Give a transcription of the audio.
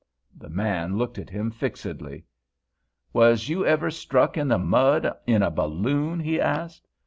The man looked at him fixedly. "Was you ever struck in the mud in a balloon?" he asked.